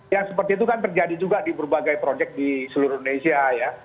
yang seperti itu kan terjadi juga di berbagai proyek di seluruh indonesia ya